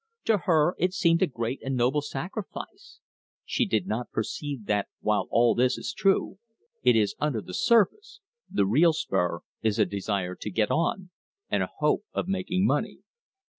To her it seemed a great and noble sacrifice. She did not perceive that while all this is true, it is under the surface, the real spur is a desire to get on, and a hope of making money.